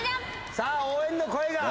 さあ応援の声が。